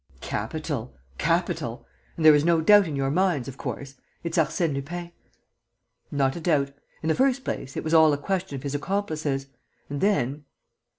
"Capital! Capital! And there is no doubt in your minds, of course: it's Arsène Lupin?" "Not a doubt. In the first place, it was all a question of his accomplices. And then